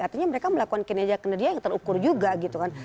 artinya mereka melakukan kinerja kinerja yang terukur juga gitu kan